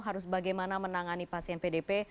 harus bagaimana menangani pasien pdp